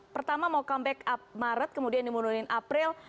pertama mau comeback up maret kemudian dimundurin april